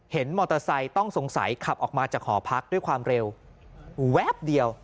มอเตอร์ไซค์ต้องสงสัยขับออกมาจากหอพักด้วยความเร็วแวบเดียว